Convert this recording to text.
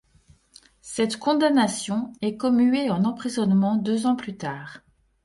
Cette condamnation est commuée en emprisonnement deux ans plus tard.